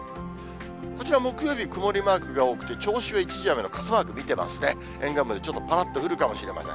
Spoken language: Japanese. こちら木曜日、曇りマークが多くて、銚子は一時雨の傘マーク、見てますね、沿岸部でちょっとぱらっと降るかもしれません。